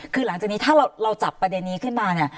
คือหลังจากนี้ถ้าเราจับประเด็นนี้ขึ้นมาเนี่ย